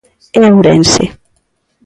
É Ourense.